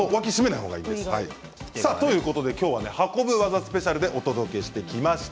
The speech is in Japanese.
今日は運ぶ技スペシャルでお届けしてきました。